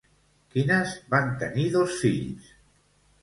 Quines van tenir dos fills?